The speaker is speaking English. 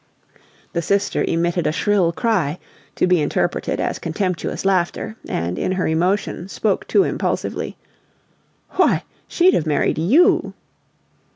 The sister emitted a shrill cry, to be interpreted as contemptuous laughter, and, in her emotion, spoke too impulsively: "Why, she'd have married YOU!"